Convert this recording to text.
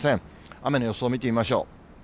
雨の予想を見てみましょう。